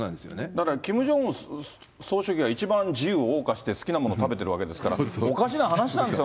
だからキム・ジョンウン総書記が一番自由をおう歌して、好きなもの食べてるわけですから、おかしな話なんですよ。